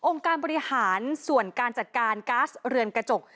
การบริหารส่วนการจัดการก๊าซเรือนกระจก